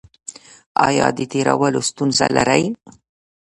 ایا د تیرولو ستونزه لرئ؟